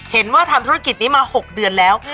เห็นว่าทำธุรกิจนี้มา๖เดือนแล้ว